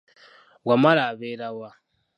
Wamala abeera wa?